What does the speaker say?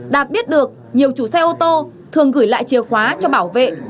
đạt biết được nhiều chủ xe ô tô thường gửi lại chìa khóa cho bảo vệ